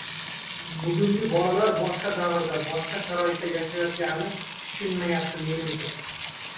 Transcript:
bugungi bolalar boshqa davrda, boshqa sharoitda yashayotganini tushunmayapti, menimcha.